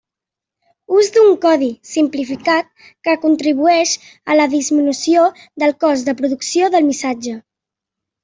Ús d'un codi simplificat que contribueix a la disminució del cost de producció del missatge.